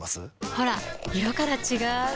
ほら色から違う！